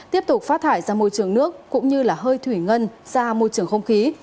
tiếp tục phát thải ra môi trường nước cũng như hơi thủy ngân ra môi trường không khí